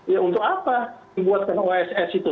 ya untuk apa dibuatkan oss itu